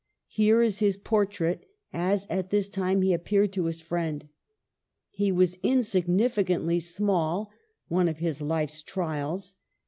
Here is his portrait as at this time he appeared to his friend : "He was insignificantly small — one of his life's trials.